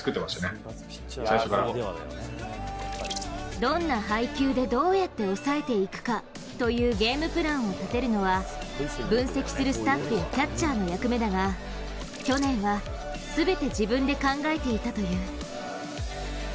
どんな配球でどうやって抑えていくかというゲームプランを立てるのは分析するスタッフやキャッチャーの役目だが去年は全て自分で考えていたという。